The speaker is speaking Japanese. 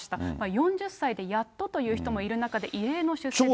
４０歳でやっとという人もいる中で、異例の出世でした。